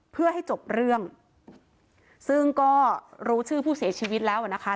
เพื่อให้จบเรื่องซึ่งก็รู้ชื่อผู้เสียชีวิตแล้วอ่ะนะคะ